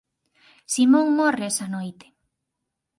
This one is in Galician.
Simón morre esa noite.